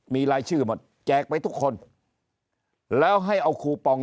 มีรายชื่อหมดแจกไปทุกคนแล้วให้เอาคูปอง